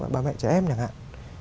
bà mẹ trẻ em chẳng hạn